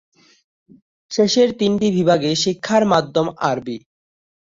শেষের তিনটি বিভাগে শিক্ষার মাধ্যম আরবি।